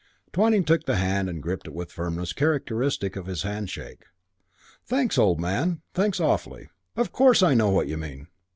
Twyning took the hand and gripped it with a firmness characteristic of his handshake. "Thanks, old man. Thanks awfully. Of course I know what you mean.